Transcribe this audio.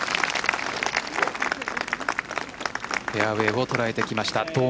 フェアウェイを捉えてきました。